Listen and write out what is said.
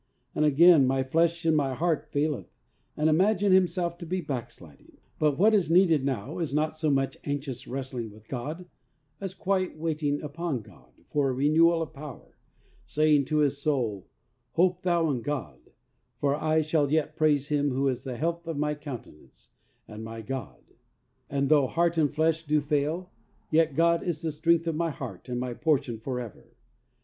And again, "My flesh and my heart 86 THE soul winner's secret. f aileth,"and imagine himself to be backsliding. But what is needed now is not so much anxious wrestling with God as quiet wait ing upon God for a renewal of power, say ing to his soul, "Hope thou in God, for I shall yet praise Him, who is the health of my countenance, and my God," and though heart and flesh do fail, "yet God is the strength of my heart, and my portion for ever."